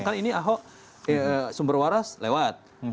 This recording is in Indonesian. kan ini ahok sumber waras lewat